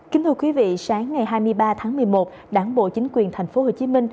kính thưa quý vị sáng ngày hai mươi ba tháng một mươi một đảng bộ chính quyền tp hcm